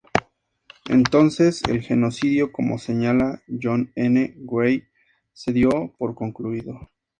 Entonces, el genocidio, como señala John N. Gray, se dio por concluido.